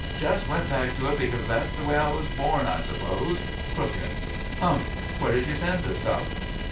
Just went back to it because that's the way I was born, I suppose; crooked." "Humph. Where did you send the stuff?"